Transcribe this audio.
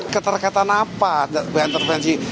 keterkatan apa dengan intervensi